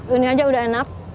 ini aja udah enak